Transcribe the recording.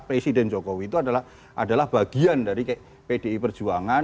presiden jokowi itu adalah bagian dari pdi perjuangan